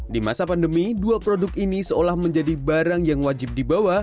di masa pandemi dua produk ini seolah menjadi barang yang wajib dibawa